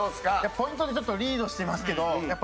ポイントでちょっとリードしてますけどやっぱ。